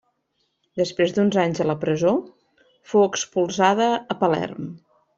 Després d'uns anys a la presó, fou expulsada a Palerm.